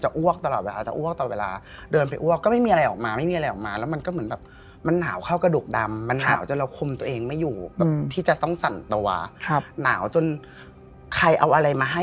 จะมีพี่ในกวนคนหนึ่งถูกส่งออกมาเฝ้าเรา